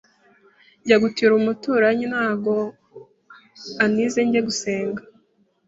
njya gutira umuturanyi nago antize njye gusenga